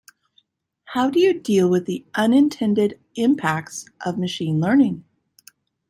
How do you deal with the unintended impacts of machine learning?